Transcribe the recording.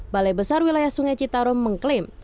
balai besar wilayah sungai citarum mengklaim